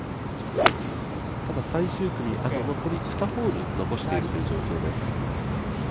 最終組、残り２ホール残しているという状態です。